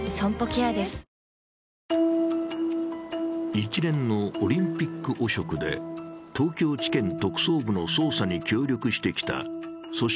一連のオリンピック汚職で東京地検特捜部の捜査に協力してきた組織